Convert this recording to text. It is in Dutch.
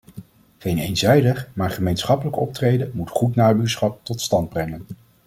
Geen eenzijdig, maar gemeenschappelijk optreden moet goed nabuurschap tot stand brengen.